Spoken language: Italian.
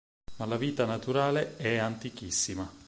Ma la vita naturale è antichissima.